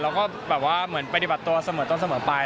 เราก็แบบว่าเหมือนปฏิบัติตัวเสมอต้นเสมอไป